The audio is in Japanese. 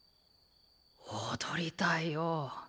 踊りたいよ。